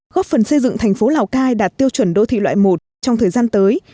góp phần xây dựng thành phố lào cai đạt tiêu chuẩn đô thị loại một trong thời gian tới